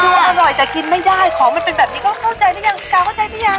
ดูอร่อยแต่กินไม่ได้ของมันเป็นแบบนี้ก้าวเข้าใจได้ยัง